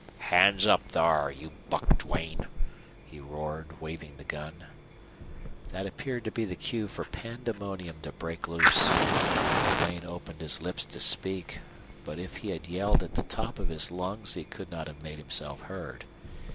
"Hands up, thar, you Buck Duane!" he roared, waving the gun. That appeared to be the cue for pandemonium to break loose. Duane opened his lips to speak, but if he had yelled at the top of his lungs he could not have made himself heard.